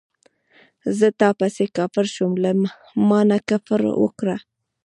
زه تا پسې کافر شوم تا له مانه کفر وکړ